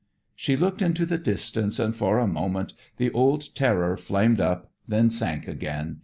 "She looked into the distance, and for a moment the old terror flamed up, then sank again.